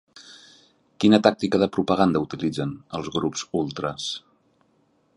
Quina tàctica de propaganda utilitzen els grups ultres?